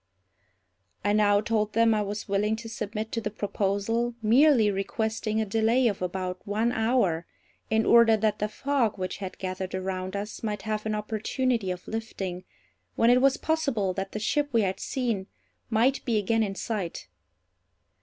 I now told them I was willing to submit to the proposal, merely requesting a delay of about one hour, in order that the fog which had gathered around us might have an opportunity of lifting, when it was possible that the ship we had seen might be again in sight.